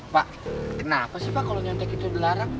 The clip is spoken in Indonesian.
pak kenapa sih pak kalau nyontek itu dilarang